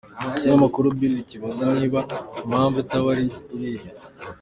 Ikinyamakuru Bild kibaza niba impamvu itaba ari iriya.